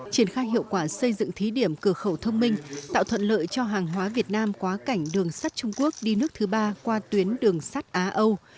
triển khai hiệu quả xây dựng thí điểm cửa khẩu thông minh tạo thuận lợi cho hàng hóa việt nam quá cảnh đường sắt trung quốc đi nước thứ ba qua tuyến đường sắt á âu